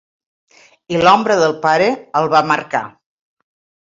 I l’ombra del pare el va marcar.